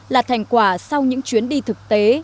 là thành quả sau những chuyến đi thực tế